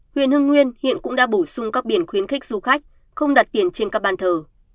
huyện hưng nguyên hiện cũng đã bổ sung các biển khuyến khích du khách không đặt tiền trên các bàn thờ